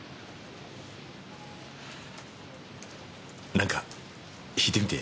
なんか弾いてみて。